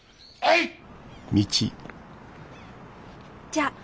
じゃあ。